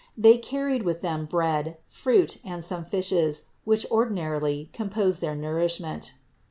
They carried with them bread, fruit and some fishes, which ordinarily composed their nourishment.